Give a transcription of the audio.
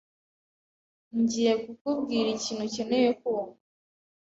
Ngiye kukubwira ikintu ukeneye kumva.